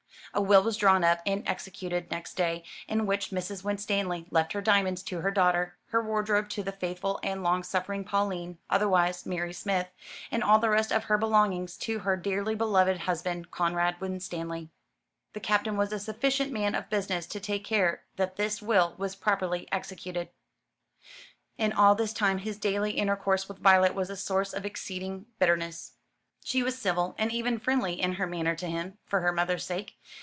A will was drawn up and executed next day, in which Mrs. Winstanley left her diamonds to her daughter, her wardrobe to the faithful and long suffering Pauline otherwise Mary Smith and all the rest of her belongings to her dearly beloved husband, Conrad Winstanley. The Captain was a sufficient man of business to take care that this will was properly executed. In all this time his daily intercourse with Violet was a source of exceeding bitterness. She was civil, and even friendly in her manner to him for her mother's sake.